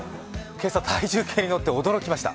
今朝、体重計に乗って驚きました。